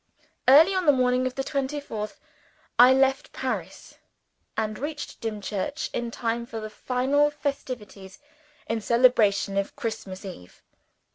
Early on the morning of the twenty fourth, I left Paris, and reached Dimchurch in time for the final festivities in celebration of Christmas Eve.